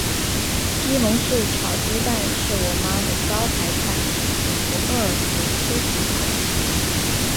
西红柿炒鸡蛋是我妈的招牌菜，你不饿也吃几口。